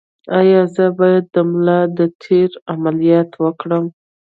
ایا زه باید د ملا د تیر عملیات وکړم؟